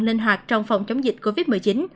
linh hoạt trong phòng chống dịch covid một mươi chín